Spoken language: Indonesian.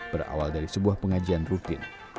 berawal dari sebuah pengajian rutin